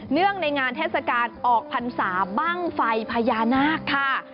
เนื่องในงานเทศกาลออกพรรษาบ้างไฟพญานาคค่ะ